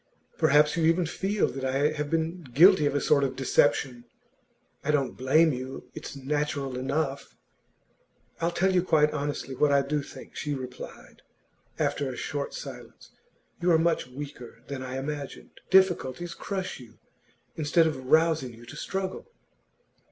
Perhaps you even feel that I have been guilty of a sort of deception. I don't blame you; it's natural enough.' 'I'll tell you quite honestly what I do think,' she replied, after a short silence. 'You are much weaker than I imagined. Difficulties crush you, instead of rousing you to struggle.